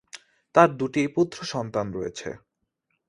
তার দুটি পুত্র সন্তান রয়েছে।